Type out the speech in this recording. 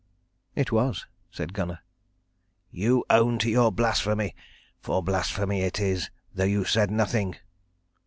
"It was," said Gunnar. "You own to your blasphemy. For blasphemy it is, though you said nothing."